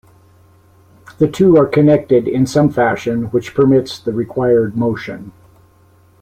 The two are connected in some fashion which permits the required motion.